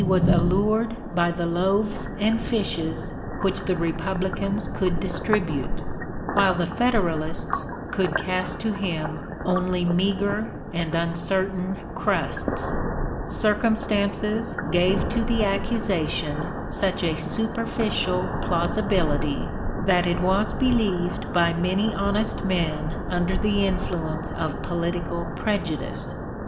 063) was allured by the loaves and fishes which the Republicans could distribute, while the Federalists could cast to him only meagre and uncertain crusts. Circumstances gave to the accusation such a superficial plausibility that it was believed by many honest men under the influence of political prejudice.